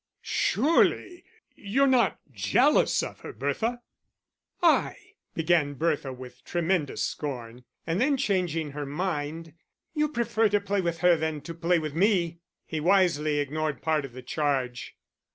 "Surely you're not jealous of her, Bertha?" "I?" began Bertha, with tremendous scorn, and then changing her mind: "You prefer to play with her than to play with me." He wisely ignored part of the charge.